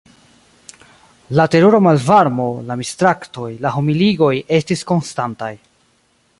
La terura malvarmo, la mistraktoj, la humiligoj estis konstantaj.